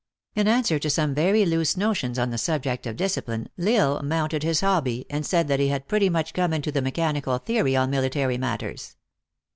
In answer to some very loose notions on the subject of discipline, L Isle mounted his hobby, and said that he had pretty much come into the mechanical theory on military matters.